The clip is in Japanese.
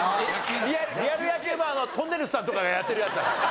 リアル野球盤はとんねるずさんとかがやってるやつだから。